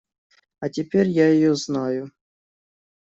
А теперь я ее знаю.